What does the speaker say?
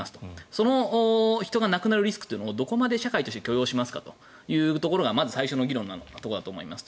その人が亡くなる可能性をどこまで社会として許容するかというのがまず最初の議論だと思います。